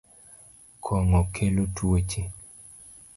Kong’o kelo tuoche